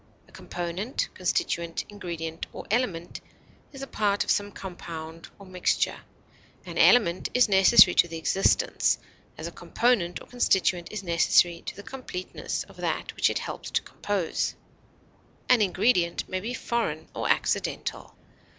A component, constituent, ingredient, or element is a part of some compound or mixture; an element is necessary to the existence, as a component or constituent is necessary to the completeness of that which it helps to compose; an ingredient may be foreign or accidental.